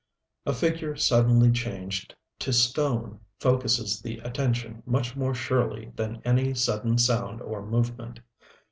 A figure suddenly changed to stone focuses the attention much more surely than any sudden sound or movement.